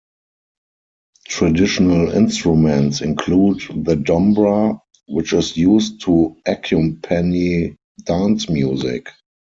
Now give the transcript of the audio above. Traditional instruments include the dombra, which is used to accompany dance music.